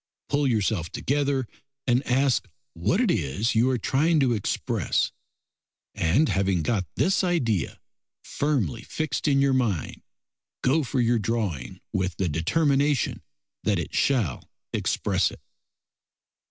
Pull yourself together, and ask what it is you are trying to express, and having got this idea firmly fixed in your mind, go for your drawing with the determination that it shall express it.